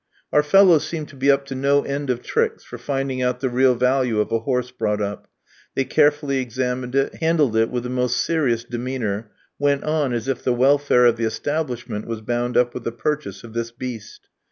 Our fellows seemed to be up to no end of tricks for finding out the real value of a horse brought up; they carefully examined it, handled it with the most serious demeanour, went on as if the welfare of the establishment was bound up with the purchase of this beast.